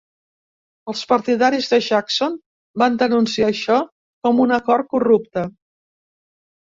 Els partidaris de Jackson van denunciar això com un acord corrupte.